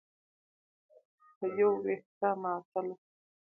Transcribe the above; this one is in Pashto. په یو وېښته معطل و.